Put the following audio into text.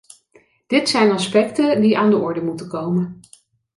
Dit zijn aspecten die aan de orde moeten komen.